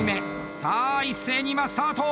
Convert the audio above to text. さあ、一斉に今、スタート！